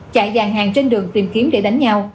chạy dàng hàng trên đường tìm kiếm để đánh nhau